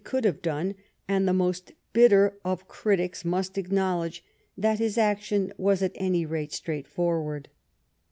he ooald have done, and the most bitter of critics most acknowledge that his action was at any rate straight forward.